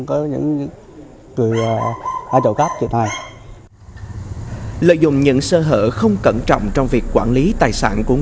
với tình hình tội phạm trộm cắp tội phạm trộm cắp đang ngày một gia tăng